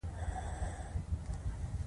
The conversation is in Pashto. هغه په خوب کې یو نظم لوست او دعا یې غوښته